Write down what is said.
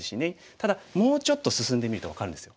ただもうちょっと進んでみると分かるんですよ